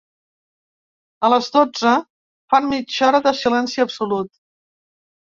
A les dotze, fan mitja hora de silenci absolut.